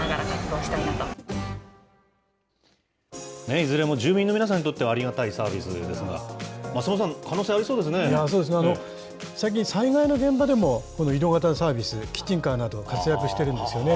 いずれも住民の皆さんにとっては、ありがたいサービスですが、松本さん、そうですね、最近、災害の現場でもこの移動型のサービス、キッチンカーなど、活躍してるんですよね。